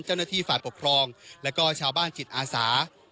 เจ้าหน้าที่ฝ่ายปกครองและก็ชาวบ้านจิตอาสา